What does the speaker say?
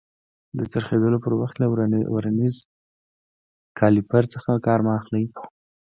د څرخېدلو پر وخت له ورنیر کالیپر څخه کار مه اخلئ.